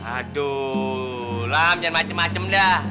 aduh lamian macem macem dah